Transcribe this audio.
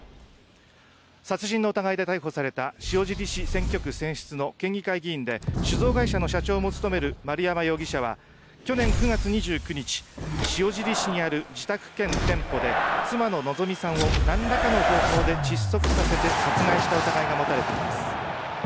殺人の疑いで逮捕された塩尻市選挙区選出の県議会議員で酒造会社の社長も務める丸山容疑者は去年９月２９日塩尻市にある自宅兼店舗で妻の希美さんを何らかの方法で窒息させて殺害した疑いが持たれています。